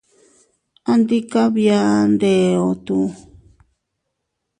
Andi kabia ndeeootuu.